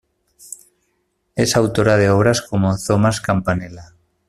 Es autora de obras como "Thomas Campanella.